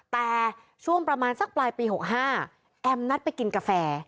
แต่ช่วงประมาณสักปลายปี๖๕แอมนัดไปกินกาแฟ